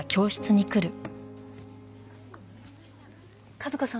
和子さん